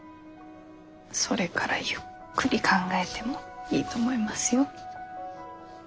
それからゆっくり考えてもいいと思いますよ。